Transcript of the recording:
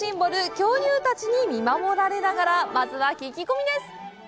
恐竜たちに見守られながらまずは聞き込みです。